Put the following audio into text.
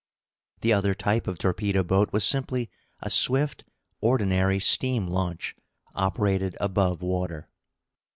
The other type of torpedo boat was simply a swift, ordinary steam launch, operated above water.